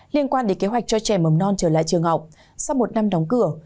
liên quan đến kế hoạch cho trẻ mầm non trở lại trường học sau một năm đóng cửa